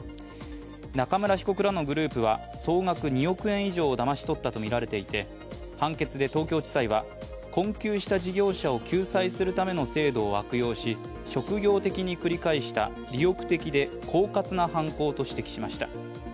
中村被告らのグループは総額２億円以上をだまし取ったとみられていて判決で東京地裁は困窮した事業者を救済するための制度を悪用し職業的に繰り返した利欲的で狡猾な犯行と指摘しました。